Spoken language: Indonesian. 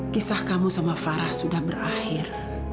kisah kamu sama farah sudah berakhir